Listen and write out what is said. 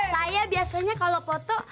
saya biasanya kalau foto